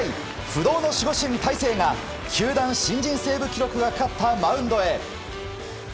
不動の守護神・大勢が球団新人セーブ記録がかかったマウンドへ。